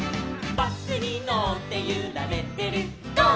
「バスにのってゆられてるゴー！